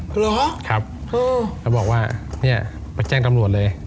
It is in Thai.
เหรอครับเขาบอกว่าเนี่ยไปแจ้งตำรวจเลย